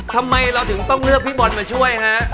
ทำไมเราถึงต้องเลือกพี่บอลมาช่วยฮะ